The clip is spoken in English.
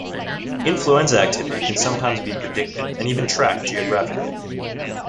Influenza activity can sometimes be predicted and even tracked geographically.